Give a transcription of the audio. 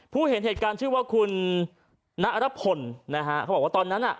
เห็นเหตุการณ์ชื่อว่าคุณนรพลนะฮะเขาบอกว่าตอนนั้นอ่ะ